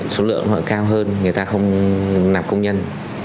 số lượng họ cao hơn người ta không làm công nhân